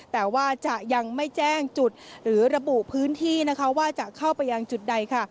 แต่ว่าจะยังไม่แจ้งจุดหรือระบุพื้นที่นะคะว่าจะเข้าไปยังจุดใด